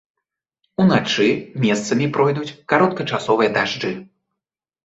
Уначы месцамі пройдуць кароткачасовыя дажджы.